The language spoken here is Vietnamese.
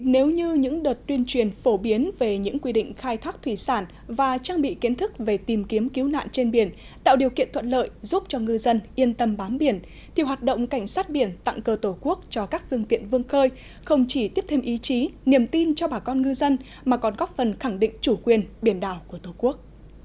nếu như những đợt tuyên truyền phổ biến về những quy định khai thác thủy sản và trang bị kiến thức về tìm kiếm cứu nạn trên biển tạo điều kiện thuận lợi giúp cho ngư dân yên tâm bám biển thì hoạt động cảnh sát biển tặng cơ tổ quốc cho các phương tiện vương khơi không chỉ tiếp thêm ý chí niềm tin cho bà con ngư dân mà còn góp phần khẳng định chủ quyền biển đảo của tổ quốc